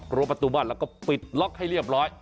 ประตูบ้านแล้วก็ปิดล็อกให้เรียบร้อย